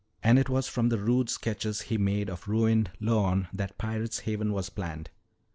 And it was from the rude sketches he made of ruined Lorne that Pirate's Haven was planned."